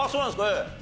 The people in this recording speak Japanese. ええ。